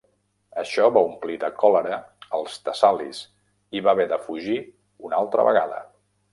Això va omplir de còlera els tessalis i va haver de fugir una altra vegada.